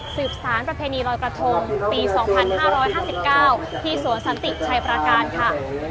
สารประเพณีลอยกระทงปี๒๕๕๙ที่สวนสันติชัยประการค่ะ